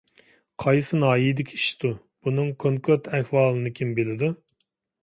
قايسى ناھىيەدىكى ئىشتۇ؟ بۇنىڭ كونكرېت ئەھۋالىنى كىم بىلىدۇ؟